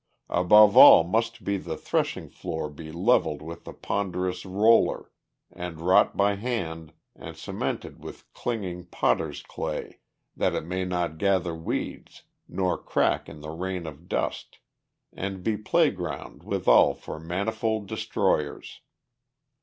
Above all must the threshing floor be levelled with the ponderous roller, and wrought by hand and cemented with clinging potter's clay, that it may not gather weeds nor crack in the reign of dust, and be playground withal for manifold destroyers.